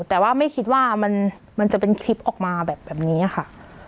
แต่ว่าไม่คิดว่ามันจะเป็นคลิปออกมาแบบนี้ค่ะ